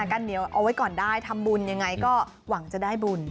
กันเหนียวเอาไว้ก่อนได้ทำบุญยังไงก็หวังจะได้บุญ